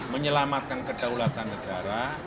menyelamatkan kedaulatan negara